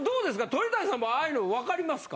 鳥谷さんもああいうのわかりますか？